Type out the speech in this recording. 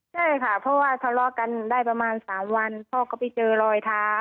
ใช่ค่ะเพราะว่าทะเลาะกันได้ประมาณ๓วันพ่อก็ไปเจอรอยเท้า